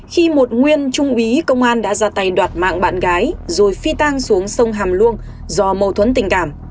khi một nguyên trung úy công an đã ra tay đoạt mạng bạn gái rồi phi tang xuống sông hàm luông do mâu thuẫn tình cảm